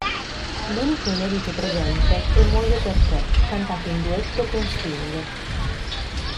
L'unico inedito presente è "Muoio per te" cantato in duetto con Sting.